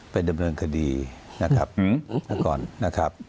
ไปดำเนินคดีนะครับ